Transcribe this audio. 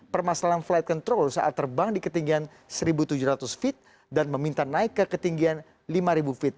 permasalahan flight control saat terbang di ketinggian seribu tujuh ratus feet dan meminta naik ke ketinggian lima feet